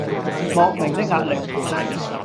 莫名的壓力